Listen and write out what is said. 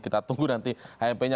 kita tunggu nanti hmp nya